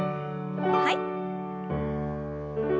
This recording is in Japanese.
はい。